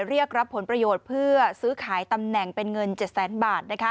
เรียกรับผลประโยชน์เพื่อซื้อขายตำแหน่งเป็นเงิน๗แสนบาท